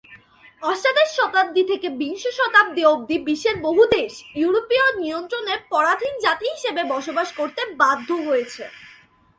অষ্টাদশ শতাব্দী থেকে বিংশ শতাব্দী অবধি বিশ্বের বহু দেশ ইয়োরোপীয় নিয়ন্ত্রণে পরাধীন জাতি হিসাবে বসবাস করতে বাধ্য হয়েছে।